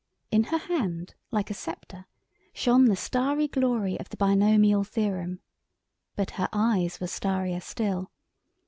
In her hand, like a sceptre, shone the starry glory of the binomial theorem. But her eyes were starrier still.